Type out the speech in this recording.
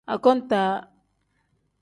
Akontaa.